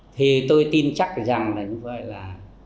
thì tôi tin chắc rằng là như vậy là